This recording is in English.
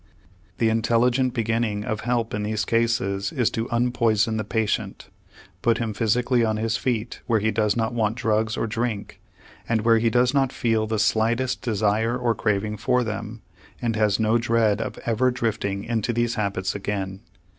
The intelligent beginning of help in these cases is to unpoison the patient, put him physically on his feet, where he does not want drugs or drink, and where he does not feel the slightest desire or craving for them, and has no dread of ever drifting into these habits again.